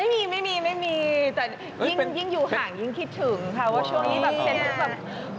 ไม่มีไม่มีแต่ยิ่งอยู่ห่างยิ่งคิดถึงค่ะว่าช่วงนี้แบบเทนต์แบบ